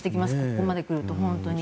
ここまで来ると、本当に。